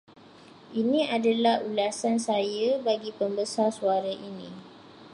Ini adalah ulasan saya bagi pembesar suara ini.